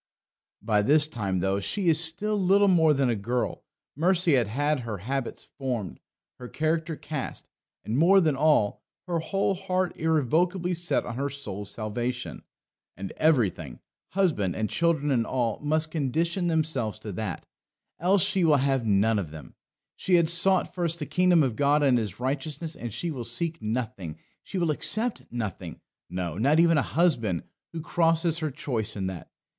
By this time, though she is still little more than a girl, Mercy had her habits formed, her character cast, and, more than all, her whole heart irrevocably set on her soul's salvation. And everything husband and children and all must condition themselves to that, else she will have none of them. She had sought first the kingdom of God and His righteousness, and she will seek nothing, she will accept nothing no, not even a husband who crosses her choice in that.